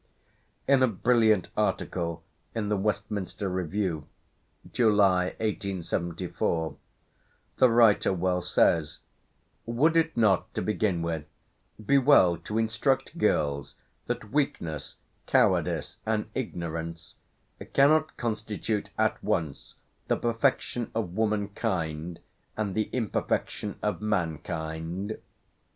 In a brilliant article in the Westminster Review (July, 1874) the writer well says: "Would it not, to begin with, be well to instruct girls that weakness, cowardice, and ignorance, cannot constitute at once the perfection of womankind and the imperfection of mankind?"